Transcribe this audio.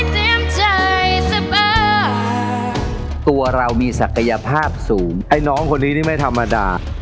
ใจเสมอตัวเรามีศักยภาพสูงไอ้น้องคนนี้นี่ไม่ธรรมดา